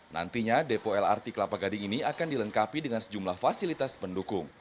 nantinya depo lrt kelapa gading ini akan dilengkapi dengan sejumlah fasilitas pendukung